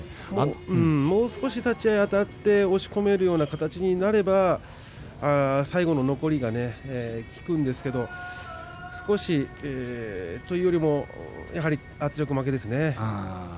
もう少し立ち合いあたって押し込めるような形になれば最後の残りが効くんですけれど。というよりもやっぱり圧力負けですね。